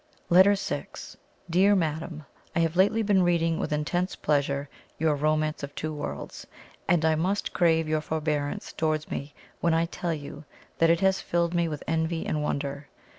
] LETTER VI. "DEAR MADAM, "I have lately been reading with intense pleasure your 'Romance of Two Worlds,' and I must crave your forbearance towards me when I tell you that it has filled me with envy and wonder.